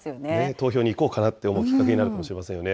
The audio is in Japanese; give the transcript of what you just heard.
投票に行こうかなって思うきっかけになるかもしれませんね。